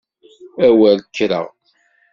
A wer kkreɣ!